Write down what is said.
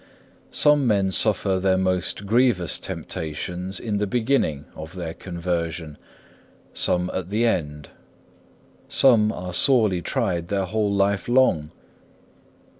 6. Some men suffer their most grievous temptations in the beginning of their conversion, some at the end. Some are sorely tried their whole life long.